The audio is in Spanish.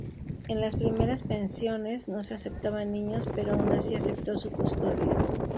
En las pensiones no se aceptaban niños, pero aun así aceptó su custodia.